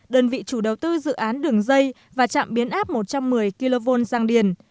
đơn vị chủ đầu tư dự án đường dây và trạm biến áp một trăm một mươi kv giang điển